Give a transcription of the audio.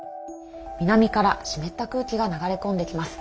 南から湿った空気が流れ込んできます。